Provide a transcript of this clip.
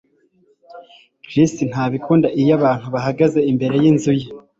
Chris ntabikunda iyo abantu bahagaze imbere yinzu ye